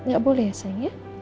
gak boleh ya sayang